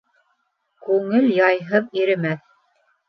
Күңел яйһыҙ иремәҫ.